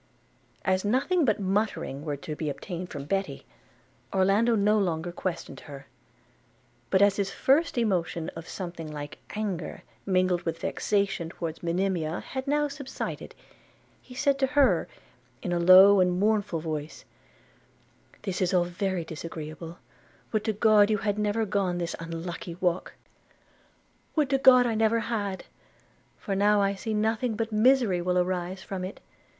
As nothing but muttering were to be obtained from Betty, Orlando no longer questioned her; but as his first emotion of something like anger mingled with vexation towards Monimia had now subsided, he said to her, in a low and mournful voice, 'This is all very disagreeable; would to God you had never gone this unlucky walk!' 'Would to God I never had! for now I see nothing but misery will arise from it.